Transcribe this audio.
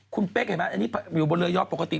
คุณเป๊กเห็นไหมอันนี้อยู่บนเรือยอดปกติ